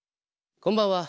こんばんは。